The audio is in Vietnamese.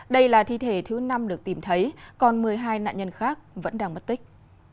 đây là thi thể thứ năm được tìm thấy còn một mươi hai nạn nhân khác vẫn đang mất tích